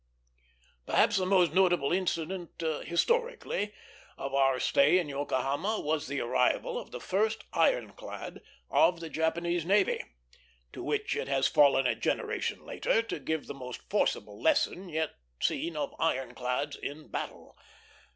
Perhaps the most notable incident, historically, of our stay in Yokohama was the arrival of the first iron clad of the Japanese navy, to which it has fallen a generation later to give the most forcible lesson yet seen of iron clads in battle.